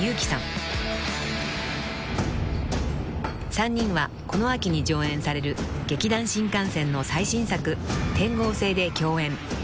［３人はこの秋に上演される劇団☆新感線の最新作『天號星』で共演］